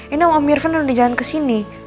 ini om irfan udah di jalan kesini